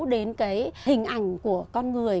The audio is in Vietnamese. đến cái hình ảnh của con người